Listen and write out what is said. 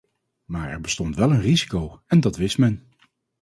Maar er bestond wel een risico en dat wist men.